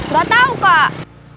gak tau kak